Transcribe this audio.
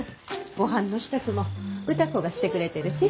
ごはんの支度も歌子がしてくれてるし。